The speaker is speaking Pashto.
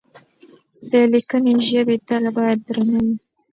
د ليکنۍ ژبې تله بايد درنه وي.